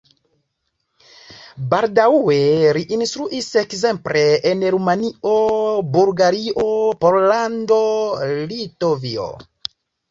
Baldaŭe li instruis ekzemple en Rumanio, Bulgario, Pollando, Litovio.